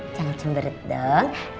jangan cemberit dong